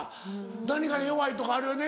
何かに弱いとかあるよね